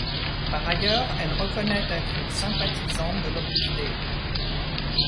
Par ailleurs, elle reconnaît être une sympathisante de l'Opus Dei.